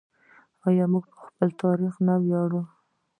آیا موږ په خپل تاریخ نه ویاړو؟